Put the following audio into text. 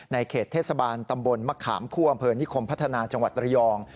เขตเทศบาลตำบลมะขามคู่อำเภอนิคมพัฒนาจังหวัดระยอง